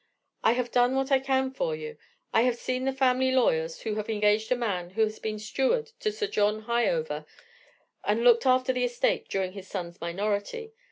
I have done what I can for you. I have seen the family lawyers, who have engaged a man who has been steward to Sir John Hieover, and looked after the estate during his son's minority.